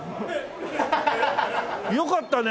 よかったね。